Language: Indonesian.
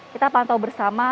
kita pantau bersama